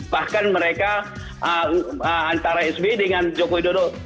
bahkan mereka antara sby dengan jokowi dodo